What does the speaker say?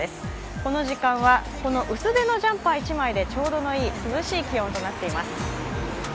この時間は薄手のジャンパー一枚でちょうどいい涼しい気温となっています。